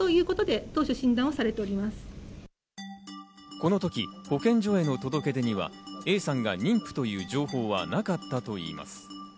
この時、保健所への届け出にはＡさんが妊婦という情報はなかったといいます。